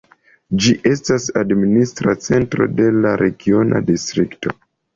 Ĝi estas administra centro de la regiona distrikto.